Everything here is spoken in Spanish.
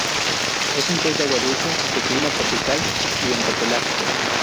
Es un pez de Agua dulce, de clima tropical y bentopelágico.